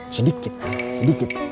sedikit ya sedikit